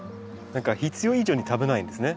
必要以上に食べないんですね。